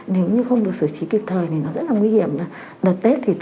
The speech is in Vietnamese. nếu như không được sử trí kịp thời